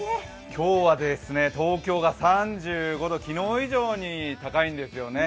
今日は東京が３５度、昨日以上に高いんですよね。